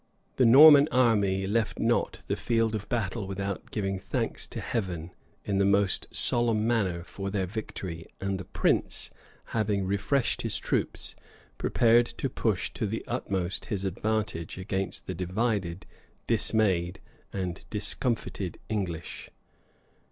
The Norman army left not the field of battle without giving thanks to Heaven, in the most solemn manner, for their victory: and the prince, having refreshed his troops, prepared to push to the utmost his advantage against the divided, dismayed, and discomfited English.